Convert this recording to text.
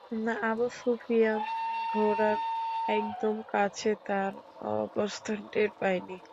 Abu Sufyan ঘোড়ার একদম কাছে তাঁর অবস্থান টের পায়নি।